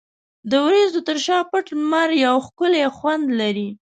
د وریځو تر شا پټ لمر یو ښکلی خوند لري.